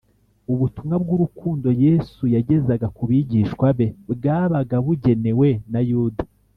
ubutumwa bw’urukundo yesu yagezaga ku bigishwa be, bwabaga bugenewe na yuda